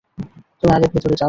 তুমি আগে ভেতরে যাও।